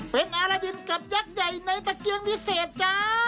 เป็นอารดินกับยักษ์ใหญ่ในตะเกียงวิเศษจ้า